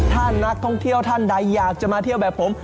ถ้านักท่องเที่ยวท่านใดอยากจะมาเที่ยวแบบผม